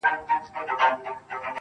هغه له منځه ولاړ سي.